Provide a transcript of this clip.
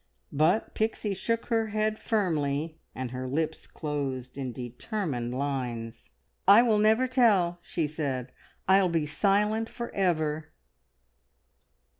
But Pixie shook her head firmly, and her lips closed in determined lines. "I will never tell," she said. "I'll be silent for ever!"